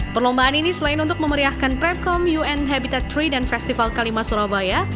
perlombaan ini selain untuk memeriahkan prepcom un habitat tiga dan festival kalimah surabaya